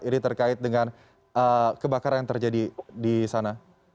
ini terkait dengan kebakaran yang terjadi di sana